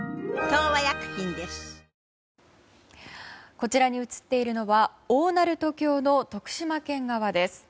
こちらに映っているのは大鳴門橋の徳島県側です。